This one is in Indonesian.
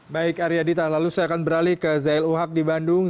baik arya dita lalu saya akan beralih ke zail uhak di bandung